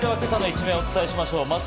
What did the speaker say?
それでは今朝の一面、お伝えしましょう。